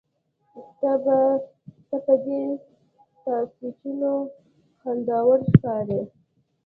ته په دې ساسچنو خنداوړه ښکارې.